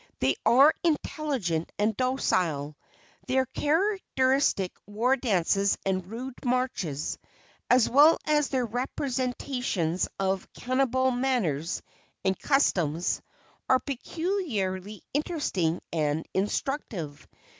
They are intelligent and docile. Their characteristic war dances and rude marches, as well as their representations of Cannibal manners and customs, are peculiarly interesting and instructive.